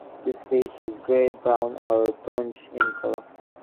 This fish is gray, brown, or bronze in color.